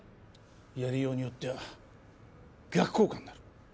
やりようによっては逆効果になる。